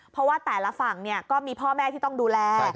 เพราะว่าแต่ละฝั่งก็มีพ่อแม่ที่ต้องดูแล